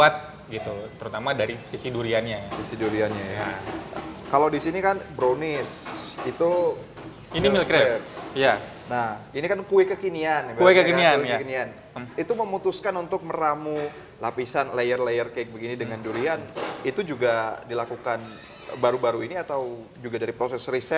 terima kasih spesifik untuk aldkan guys